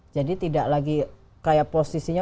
jadi tidak lagi kayak posisinya